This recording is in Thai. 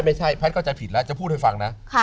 ไม่ใช่แพทย์ก็จะผิดแล้วจะพูดให้ฟังนะ